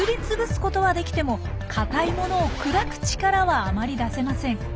ことはできても硬いものを砕く力はあまり出せません。